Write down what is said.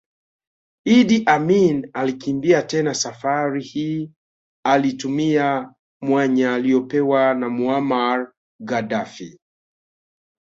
Idi Amin alikimbia tena Safari hii alitumia mwanya aliopewa na Muammar Gaddafi